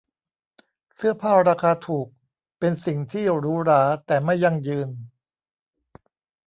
เสื้อผ้าราคาถูกเป็นสิ่งที่หรูหราแต่ไม่ยั่งยืน